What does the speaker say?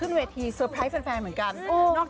สุดยอดเลยคุณผู้ชมค่ะบอกเลยว่าเป็นการส่งของคุณผู้ชมค่ะ